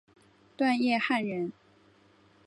段业汉人。